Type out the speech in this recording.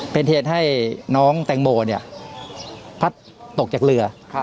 เป็นเหตุให้น้องแตงโมพัดตกจากเรือ